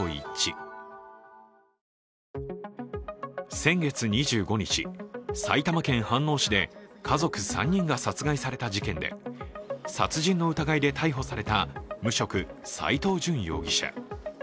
先月２５日、埼玉県飯能市で家族３人が殺害された事件で、殺人の疑いで逮捕された無職、斉藤淳容疑者。